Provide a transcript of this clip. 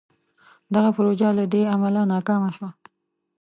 دغه پروژه له دې امله ناکامه شوه.